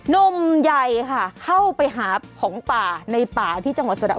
หนุ่มใหญ่ค่ะเข้าไปหาของป่าในป่าที่จังหวัดสะดาว